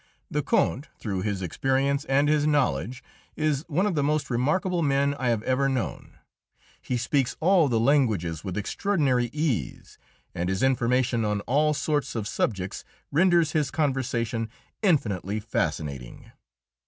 The Count, through his experience and his knowledge, is one of the most remarkable men I have ever known. He speaks all the languages with extraordinary ease, and his information on all sorts of subjects renders his conversation infinitely fascinating.